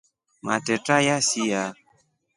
Matreta yasia.